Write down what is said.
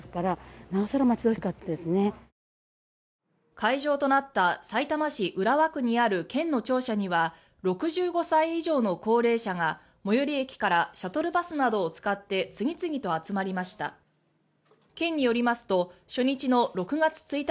会場となったさいたま市浦和区にある県の庁舎には６５歳以上の高齢者が最寄駅からシャトルバスなどを使って次々と集まりました。